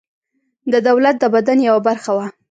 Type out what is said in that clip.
د دولت د بدن یوه برخه وه.